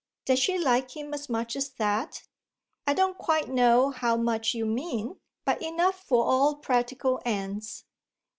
"Does she like him as much as that?" "I don't quite know how much you mean, but enough for all practical ends."